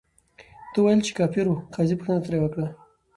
ده ویل، چې کافر ؤ. قاضي پوښتنه ترې وکړه،